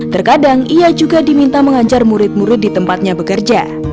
terkadang ia juga diminta mengajar murid murid di tempatnya bekerja